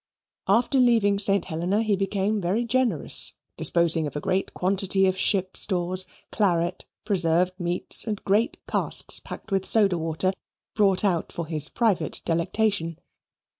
After leaving St. Helena he became very generous, disposing of a great quantity of ship stores, claret, preserved meats, and great casks packed with soda water, brought out for his private delectation.